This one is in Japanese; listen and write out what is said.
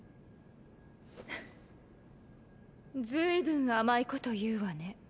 フッずいぶん甘いこと言うわね。